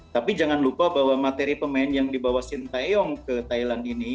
tapi jangan lupa bahwa materi pemain yang dibawa sinteyong ke thailand ini